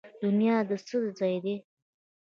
دنیا د څه ځای دی؟